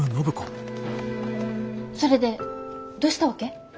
それでどうしたわけ？